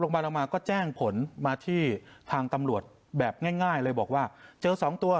โรงพยาบาลรามาก็แจ้งผลมาที่ทางตำรวจแบบง่ายง่ายเลยบอกว่าเจอสองตัว